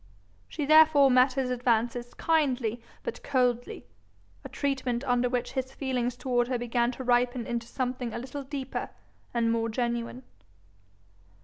She therefore met his advances kindly but coldly, a treatment under which his feelings towards her began to ripen into something a little deeper and more genuine.